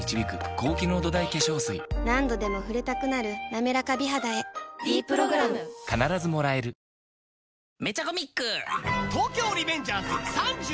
何度でも触れたくなる「なめらか美肌」へ「ｄプログラム」幅４０こんな狭さにも！